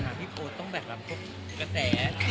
ที่ผ่านหาพี่โอ๊ตต้องแบบกระแส